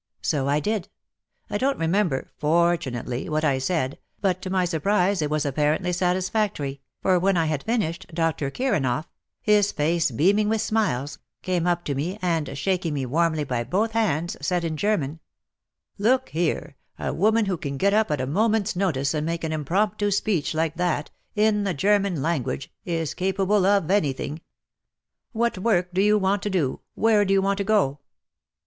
So I did. I don't remember, fortunately, what I said, but to my surprise it was apparently satisfactory, for when I had finished, Dr. Kiranoff — his face beaming with smiles — came up to me and, shaking me warmly by both hands, said in German —" Look here — a woman who can get up at a moment's notice and make an impromptu speech like that — in the German language — is capable of anything. What work do you want to do ? Where do you want to go